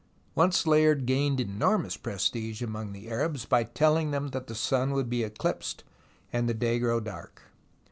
Once Layard gained enormous prestige among the Arabs, by telling them that the sun would be eclipsed, and the day grow dark.